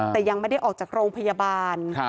แต่ยังไม่ได้ออกจากโรงพยาบาล